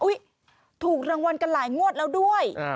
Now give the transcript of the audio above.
ถูกรางวัลกันหลายงวดแล้วด้วย